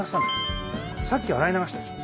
さっき洗い流したでしょ。